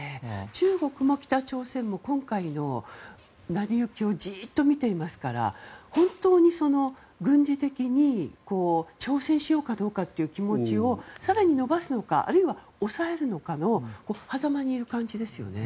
中国も北朝鮮も今回の成り行きをじっと見ていますから本当に軍事的に調整しようかどうかということを更に伸ばすのかあるいは抑えるのかのはざまにいる感じですね。